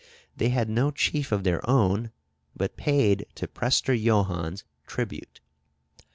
They had no chief of their own, but paid to Prester Johannes tribute.